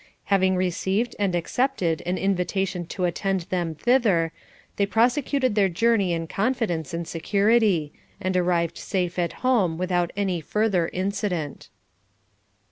Having received and accepted an invitation to attend them thither, they prosecuted their journey in confidence and security, and arrived safe at home without any further accident.